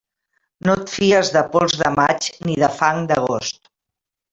No et fies de pols de maig ni de fang d'agost.